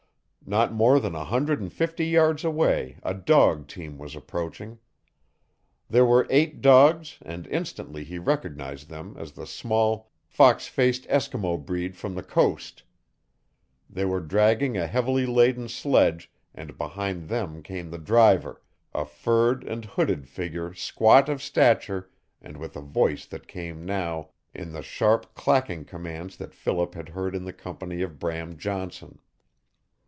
Not more than a hundred and fifty yards away a dog team was approaching. There were eight dogs and instantly he recognized them as the small fox faced Eskimo breed from the coast. They were dragging a heavily laden sledge and behind them came the driver, a furred and hooded figure squat of stature and with a voice that came now in the sharp clacking commands that Philip had heard in the company of Bram Johnson.